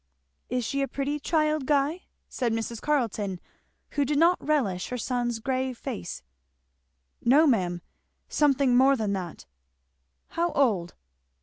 "Is she a pretty child, Guy?" said Mrs. Carleton, who did not relish her son's grave face. "No ma'am something more than that." "How old?"